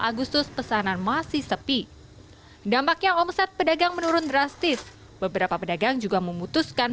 agustus pesanan masih sepi dampaknya omset pedagang menurun drastis beberapa pedagang juga memutuskan